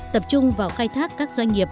tập trung vào khai thác các doanh nghiệp